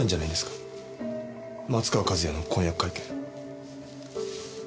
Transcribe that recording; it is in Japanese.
松川一弥の婚約会見。